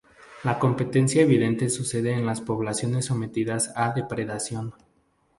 La competencia evidente sucede en las poblaciones sometidas a depredación.